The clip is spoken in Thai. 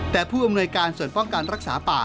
แต่ผู้อำนวยการส่วนป้องกันรักษาป่า